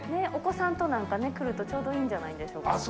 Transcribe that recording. お子さんとなんかね、来るとちょうどいいんじゃないでしょうか。